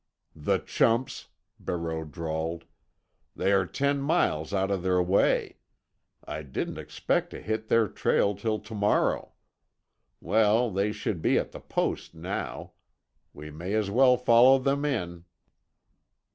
"The chumps," Barreau drawled. "They are ten miles out of their way. I didn't expect to hit their trail till to morrow. Well, they should be at the post now. We may as well follow them in."